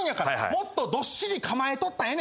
もっとどっしり構えとったらええねん。